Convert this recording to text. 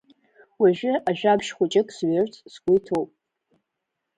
Уажәы ажәабжь хәыҷык зҩырц сгәы иҭоуп.